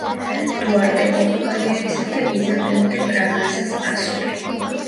დუარტე პორტუგალიელისა და იზაბელ დე ბრაგანსას ასული.